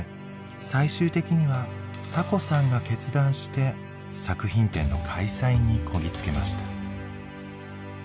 最終的にはサコさんが決断して作品展の開催にこぎ着けました。